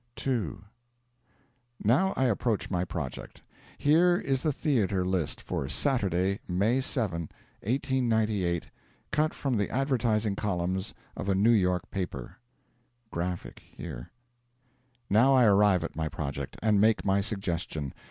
II Now I approach my project. Here is the theatre list for Saturday, May 7, 1898, cut from the advertising columns of a New York paper: (graphic here) Now I arrive at my project, and make my suggestion.